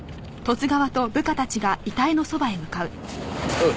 おい。